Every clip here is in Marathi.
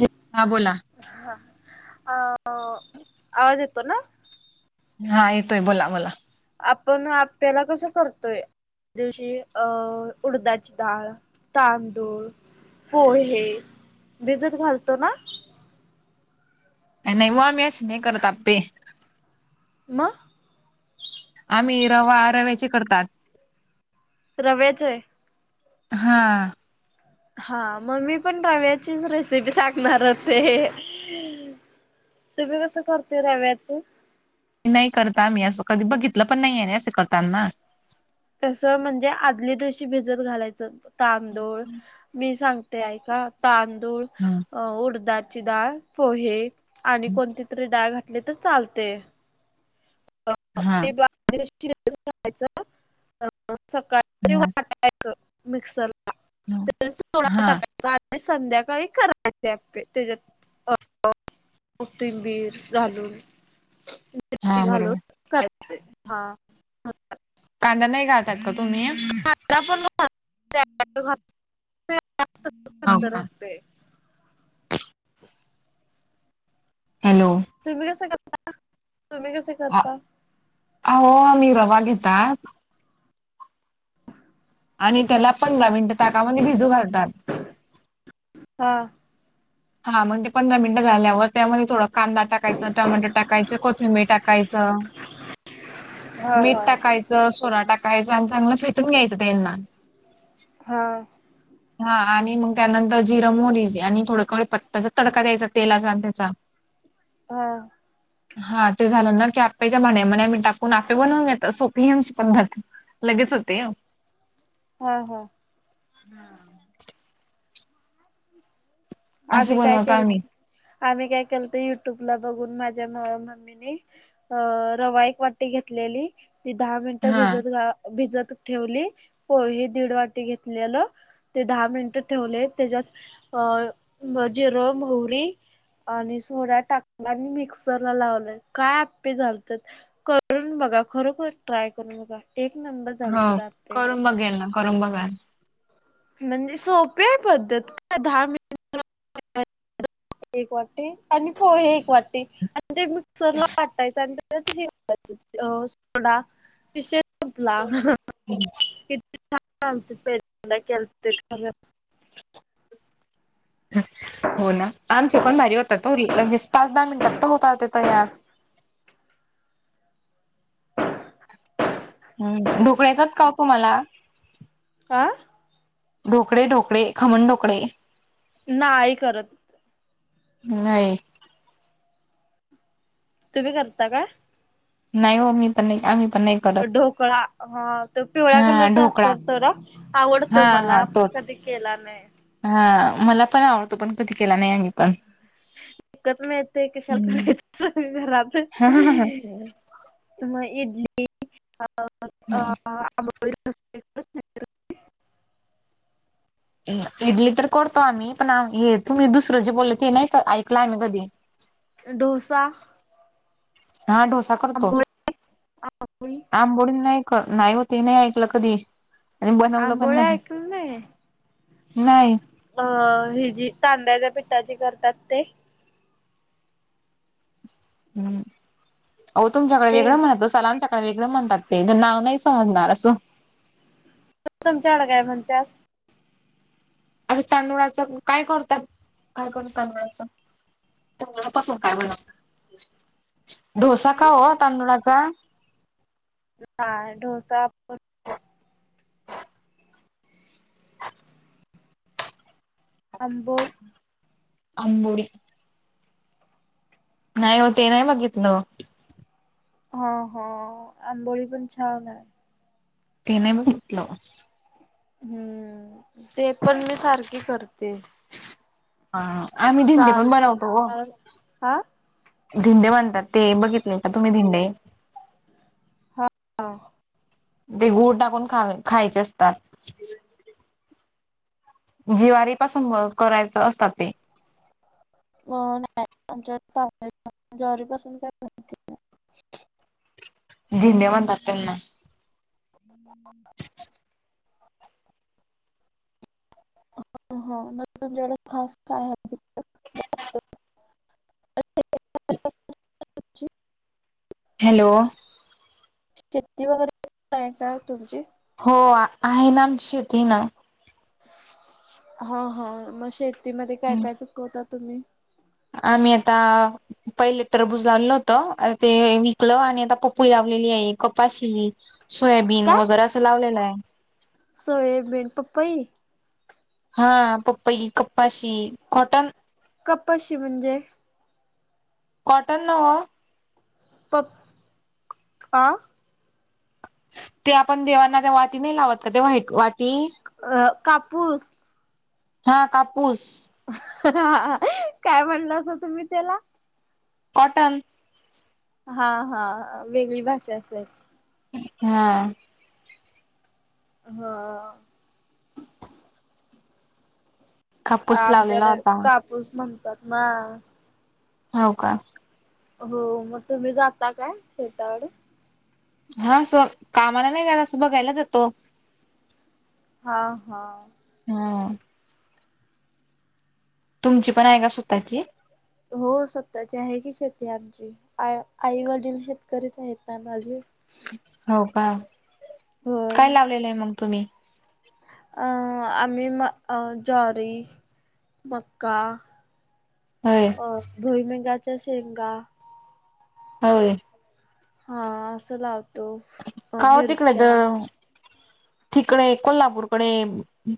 हे. हा बोला? हा, आ अ, आवाज येतो ना? हा येतोय बोला बोला? आपन आप्पेला कसं करतोय. दिवशी अ उडदाची डाळ, तांदूळ. पोहे, भिजत घालतो ना? नाही वा आम्हीं अस नाही करत आप्पे. म? आम्ही रवा रव्याचे करतात. रव्याचे? हा. हा मी पण रव्याचीच रेसिपी सांगणार होते. तुम्ही कसं करते रव्याचं? नाही करत आम्ही असं कधी बघितलं पण नाहीये अस करताना. तस म्हणजे आदल्या दिवशी भिजत घालायचं, तांदूळ, मी सांग ते ऐका का तांदूळ हम. अ उडदाची डाळ, पोहे, आणि कोणती तरी डाळ घातली तर चालतय. [unintelligible] हा हा वाटायचं मिक्सरला, त्याच्यात सोडा हा टाकाय रात्री संध्याकाळी करायचे आप्पे त्याज्यात, [unintelligible] कोथिंबीर घालून. [unintelligible] हा घालून बरोबर करायचे, हा, [unintelligible] कांदा नाही घालतात का तुम्ही? हो का [unintelligible] हॅलो. तुम्ही कस करता, तुम्ही कस करता? आहो रवा आम्ही घेतात. आणि त्याला पंधरा मिनिटं ताकामध्ये भिजू घालतात. हा. हा, म्हणजे पंधरा मिनिटं झाल्यावर त्यामध्ये थोडा कांदा टाकायचं, टोमॅटो टाकायचं, कोथिंबीर टाकायचं, हा मीठ हा टाकायचं. सोरा टाकायचं आणि चांगलं फेटून घ्यायचं त्यांना. हा. हा आणि मग त्यानंतर जिर-मोहरीचे आणि थोडं कडीपत्त्याचा तडका द्यायचा तेलाचा अन त्याचा हा. हा, ते झालं ना की आपेच्या भांड्यामध्ये म्हणे आम्ही टाकून आपे बनवून घेतो. सोपी आहे आमची पद्धत. लगेच होते. हा-हा. हा. अशी आम्ही काय बनवतो आम्ही केलंतं, आम्ही काय केलतं, युट्यूबला माझ्या मम्मीने अ, रवा ईक वाटी घेतलेली. ती दहा मिनटं हा भिजत घा भिजत ठेवली, पोहे दीड वाटी घेतल्यालं. ते दहा मिनिट ठेवले, त्याच्यात अ जिरं- मोहरी आणि सोडा टाकला आणि मिक्सरला लावलं, काय आप्पे झालते! करून बघा, खरोखर ट्राय करून बघा. एक नंबर हो झालतेत आप्पे! करून बघेल ना. करून बघाल. म्हणजे सोपीय पद्धत काय दहा मि एक वाटी आणि पोहे एक वाटी ते मिक्सरला वाटायचं त्याच्यात हे घालायचं अ, सोडा विषय संपला. छान झालेते पाहिल्यादा केलेतं तरी. हो ना, आमचे पण भारी होतात हो, लगेच पाच-दहा मिनटात तर होतात, ते तयार. हम्म, ढोकळे येतात का ओ तुम्हाला? आं? ढोकळे-ढोकळे, खमण ढोकळे? नाही करत. नाही. तुम्ही करता का? नाही हो, मी पण नाही, आम्ही पण नाही करत ढोकळा, हा तो पिवळ्या हा कलरचा ढोकळा असतात, तो ना हा आवडतो हा मला पण तोच कधी केला नाही. हा, मला पण आवडतो, पण कधी केला नाही आम्ही पण. विकत मिळतंय, कशाला हम्म करायचं घरात मग इडली इडली, आंबोळी [unintelligible] इडली तर करतो आम्ही पण. आ हे, तुम्ही दुसरं जे बोलल, ते नाही ऐकला आम्ही कधी. डोसा हा डोसा करतो. आंबोळी आंबोळी आंबोडी नाही कर नाही ओ. ते नाही ऐकलं कधी? आणि बनवलं पण आंबोळ्या ऐकलं नाही नाही-नाही. अ, ही जी तांदळाच्या पिठाची करतात, ते? हम्म, अहो तुमच्याकडे ते वेगळं म्हणत असतील. त्याला आमच्याकड वेगळं म्हणतात ते. नाव नाही समजणार असं. तुमच्याकड काय म्हणत्यात? अस तांदुळाचं काय करतात? काय [unintelligible] तांदुळाचं? तांदुळापासून काय बनवतात? डोसा का हो तांदुळाचा? नाय डोसा- [inaudible] अंबोल- अंबोडी. नाही हो ते नाही बघितलं. हा. हा. आंबोळी पण छान ए. ते नाही बघितल. हम्म. ते पण मी सारखी करते. हां. आम्ही धिंडे पण सारखी बनवतो ग. मला हा धिंडे बनतात. ते बघितले का तुम्ही धिंडे? हो. ते गूळ टाकून खावे खायचे असतात. जिवारी पासून म करायचं असतात ते. [unintelligible] धिंडे म्हणतात त्यांना. [inaudible] ह ह. मग तुमच्याकडे खास काय आहे तिकड? हॅलो. शेती वगैरे आहे का तुमची? हो आहे ना. आमची शेती ए ना. हा हा. म शेतीमध्ये काय काय पीकवता तुम्ही? आम्ही आता- पहिले टरबुज लावलेलं होतं. ते विकलं आणि आता पपई लावलेली आहे. कपाशि- सोयाबीन काय वगैरे असं लावलेलं आहे. सोयाबीन, पपई? हा. पप्पई, कप्पाशी, कॉटन. कपाशी म्हणजे? कॉटन ना ओ. पप आ? ते आपण देवांना त्या वाती नाही लावत का? ते व्हाईट वाती. अ कापूस. हां. कापूस. काय म्हणलासा तुम्ही त्याला? कॉटन. हा हा. वेगळी भाषा असल. हां. हा. कापूस लावलेला आमच्याकडं होता कापूस म्हणतात ना. हो का? हो. म तुम्ही जाता काय शेताकडे? हं. अस कामाला नाही जातं. अस बघायला जातो. हां हां. हां. तुमची पण आहे का स्वतःची? हो स्वताची आहे की शेती आमची. आ आई वडील शेतकरीच आहेत ना माझे. हाव का? होय काय लावलेलं आहे मग तुम्ही? आ आम्ही म अ ज्वारी, मक्का होय. अ भुईमुगाच्या शेंगा. होय. हा असं लावतो. का हो तिकडे त, मिरच्या तिकडे हे कोल्हापूरकडे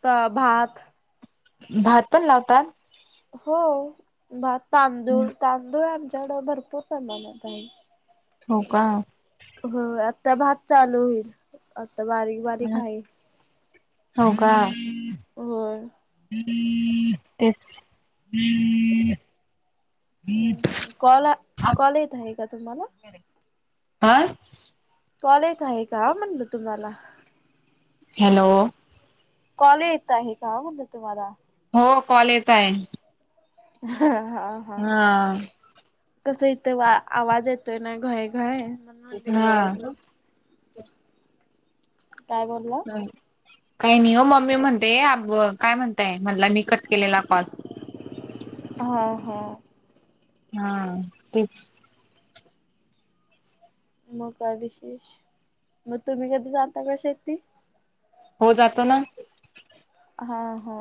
त भात भात पण लावतात? हो. भात, तांदूळ, तांदूळ आमच्याकड भरपूर [unintelligible] हो का? होय आता भात चालू होईल, आता बारीक बारीक आहे. हो का? होय. तेच. कॉल कॉल येत आहे का तुम्हाला? हा कॉल येत आहे का म्हणलं तुम्हाला? हॅलो. कॉल येत आहे का म्हणलं तुम्हाला? हो कॉल येत आहे. हा हा हा. कसं इथ वा आवाज येतोय ना घाय घाय म्हणून म्हनलं विचारलं. हा काय बोललात? काही नाही वो मम्मी म्हणतेय आब काय म्हणताय म्हणलं मी कट केलेला कॉल हा हा. हा तेच. मग काय विशेष? म तुम्ही कधी जाता का शेती हो जातो ना. हा हा.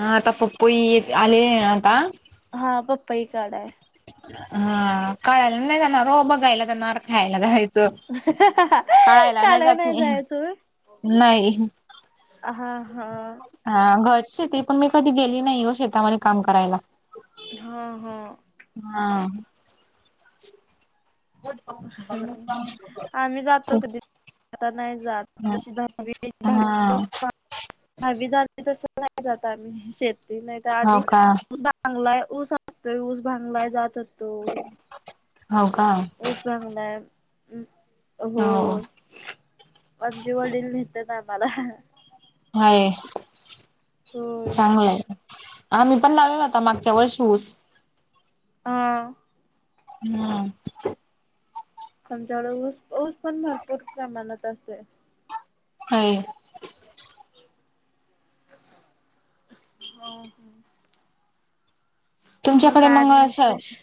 हा आता पपई आले आता. हा पपई काढाय. हा काढायला नाही जाणार वो बघायला जाणार खायला काळायला काढायला जात नाही मी जायच होय? नाही हां हां. हा घरची शेती पण मी कधी गेली नाही वो शेतामध्ये काम करायला. हां हां. हां. हा आम्ही जातो ते कधी, आता नाही जात जशी दहावी हा दहावी झाली तस नाही जात आम्ही शेती, नाही तर हो आधी का भांगलाय, ऊस असतो. ऊस भांगलाय जातत हो का, ऊस भांगलाय, हो. आमचे वडील नेतात आम्हाला. हाय, होय चांगलं आहे. आम्ही पण लावलेला होता मागच्या वर्षी ऊस. हा, [unintelligible] खंजाळ ऊस, ऊस पण भरपूर प्रमाणात असते. आय, हो. तुमच्याकडे काय मग आणि असं, विशेष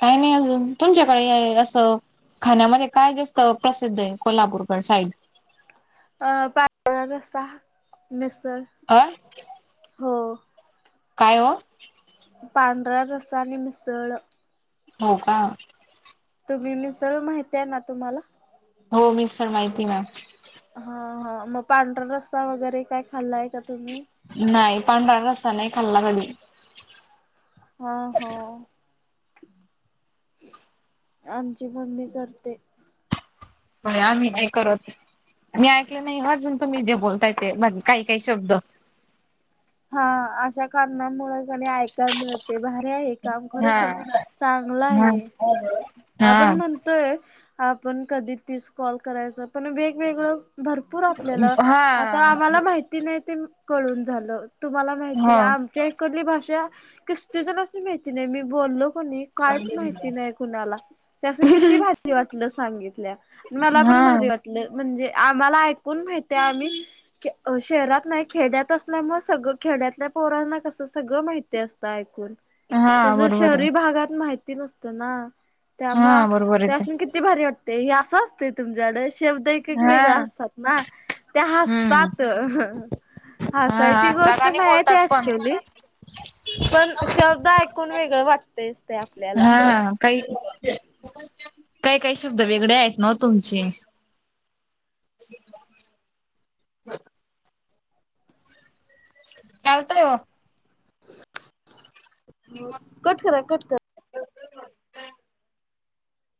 काही नाही अजून, तुमच्याकडे असं खाण्यामध्ये काय जास्त प्रसिद्ध आहे कोल्हापूरगड साइड. अ पांढरा रस्सा, मिसळ अ, हो. काय ओ पांढरा रसा आणि मिसळ हो का, तुम्ही मिसळ माहिती आहे ना तुम्हाला? हो मिसळ माहिती ना, हा हा, मग पांढरा रस्ता वगैरे काय खाल्लाय का तुम्ही? नाही, पांढरा रस्सा नाही खाल्ला कधी. हा हो. आमची मम्मी करते. बया मी नाय करत. मी ऐकल नाहीह अजून तुम्ही जे बोलताय ते काही काही शब्द. हा, अशा कारणामुळं का नाही ऐकायला मिळते. भारी आहे. काम हा खरोखर चांगला हा हे. आपण हा म्हण तय, आपण कधी तीस कॉल करायचा, पण वेगवेगळं भरपूर आपल्याला आता हा आम्हाला माहित ती नाही तेम कळून झालं. तुम्हाला माहिती हो आम आमच्या इकडली भाषा किस्तीजनासनी माहिती नाही. मी बोललो का नाही कायच माहिती नाही कुणाला. त्यासनी किती भारी वाटलं सांगितल्या मला हा पण भारी वा न म्हणजे आम्हाला ऐकून माहितीहा आम्ही शहरात नाही खेड्यात असल्यामुळच सगळं खेड्यातल्या पोरांना कसं सगळं माहिती असतं ऐकून हा तस बरोबर आहे शहरी भागात माहिती नसत ना, त्यामुळ हा बरोबर आहे ते त्यासनी कि किती भारी वाटते. हे असंस ते तुमच्याकड शेब्द एक एक हा वेगळा असतात ना, त्या हम्म हासतात ह हासाये अडाणी बोलतात पण पण शब्द ऐकून वेगळ वाटतेस ते आपल्या हा, काही काही काही शब्द वेगळे आहेत न ओ तुमची. [unintelligible] [inaudible] चालतं ओ हो कट करा कट करा! [unintelligible]